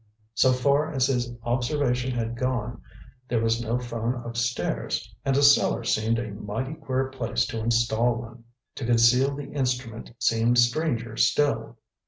So far as his observation had gone, there was no phone upstairs, and a cellar seemed a mighty queer place to instal one. To conceal the instrument seemed stranger still.